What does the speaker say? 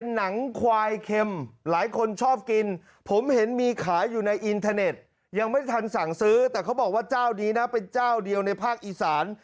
หนังควายเค็มหลายคนชอบกินผมเห็นมีขายอยู่ในอินเทอร์เน็ตยังไม่ทันสั่งซื้อแต่เขาบอกว่าเจ้านี้นะเป็นเจ้าเดียวในภาคอีสาน